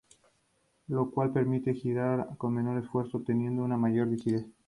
Lo cual permite girar con menor esfuerzo obteniendo una mayor fluidez.